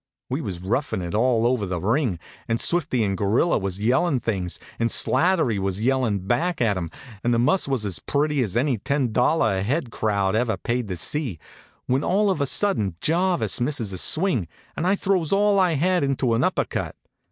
We was roughin' it all over the ring, and Swifty an' the Gorilla was yellin' things, an' Slattery was yellin' back at them, and the muss was as pretty as any ten dollar a head crowd ever paid to see, when all of a sudden Jarvis misses a swing, and I throws all I had into an upper cut.